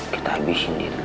kita abisin diri luar